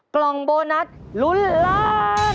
กล่องโบนัสลุ้นล้าน